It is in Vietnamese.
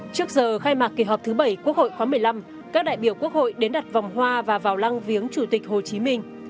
trước giờ khai mạc kỳ họp thứ bảy quốc hội khóa một mươi năm các đại biểu quốc hội đến đặt vòng hoa và vào lăng viếng chủ tịch hồ chí minh